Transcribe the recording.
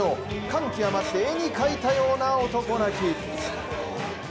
感極まって絵に描いたような男泣き。